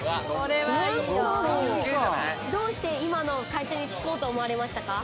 どうして今の会社に就こうと思われましたか？